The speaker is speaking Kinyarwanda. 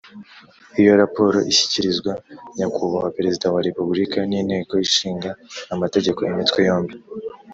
iyo raporo ishyikirizwa nyakubahwa perezida wa repubulika n’inteko ishinga amategeko imitwe yombi,